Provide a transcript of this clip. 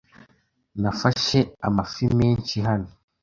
Nafashe amafi menshi hano.